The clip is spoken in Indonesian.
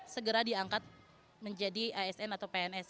segera diangkat menjadi asn atau pns